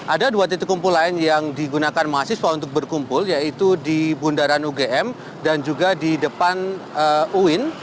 ada dua titik kumpul lain yang digunakan mahasiswa untuk berkumpul yaitu di bundaran ugm dan juga di depan uin